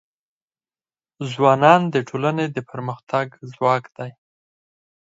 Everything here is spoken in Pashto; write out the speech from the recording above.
ځوانان د ټولنې د پرمختګ ځواک دی.